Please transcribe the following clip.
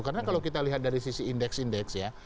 karena kalau kita lihat dari sisi indeks indeks ya